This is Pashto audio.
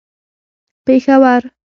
پېښور